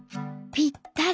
「ぴったり！